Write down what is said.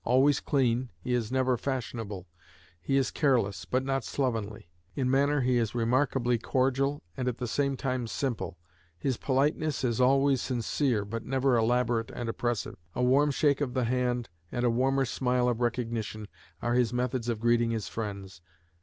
Always clean, he is never fashionable; he is careless, but not slovenly. In manner he is remarkably cordial and at the same time simple. His politeness is always sincere but never elaborate and oppressive. A warm shake of the hand and a warmer smile of recognition are his methods of greeting his friends.